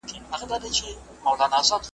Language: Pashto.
بندولې یې د خلکو د تلو لاري `